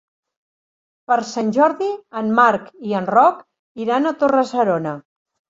Per Sant Jordi en Marc i en Roc iran a Torre-serona.